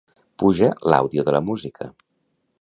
Puja l'àudio de la música.